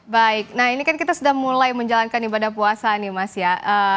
baik nah ini kan kita sudah mulai menjalankan ibadah puasa nih mas ya